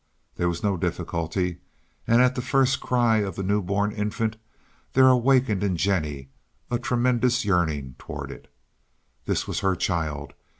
There was no difficulty, and at the first cry of the new born infant there awakened in Jennie a tremendous yearning toward it. This was her child!